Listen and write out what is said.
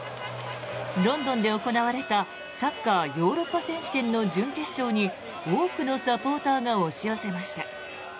ロンドンで行われたサッカー・ヨーロッパ選手権の準決勝に多くのサポーターが押し寄せました。